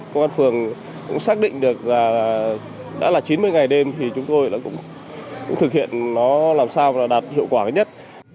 công an phường cũng xác định được là đã là chín mươi ngày đêm thì chúng tôi cũng thực hiện nó làm sao là đạt hiệu quả cái nhất